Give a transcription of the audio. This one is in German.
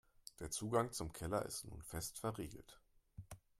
Der Zugang zum Keller ist nun fest verriegelt.